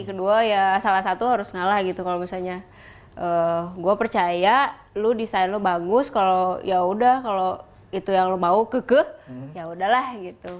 kedua salah satu harus ngalah gitu kalau misalnya gue percaya lo desain lo bagus kalau ya udah kalau itu yang lo mau kekeh ya udahlah gitu